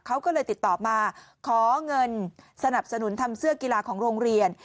เขาก็เลยติดต่อมาขอเงินสนับสนุนทำเสื้อกีฬาของโรงเรียน